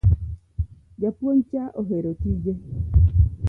Japuonj cha ohero tije